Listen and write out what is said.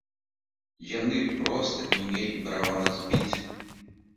Яны проста не мелі права нас біць.